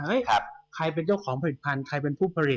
เฮ้ยใครเป็นเกี่ยวกับของผลิตภัณฑ์ใครเป็นผู้ผลิต